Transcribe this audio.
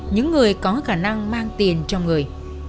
những người có khả năng mang tiền trong người